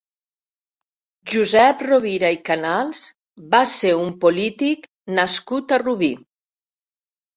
Josep Rovira i Canals va ser un polític nascut a Rubí.